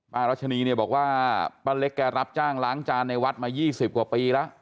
รัชนีเนี่ยบอกว่าป้าเล็กแกรับจ้างล้างจานในวัดมา๒๐กว่าปีแล้ว